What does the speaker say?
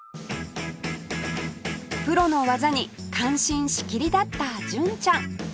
プロの技に感心しきりだった純ちゃん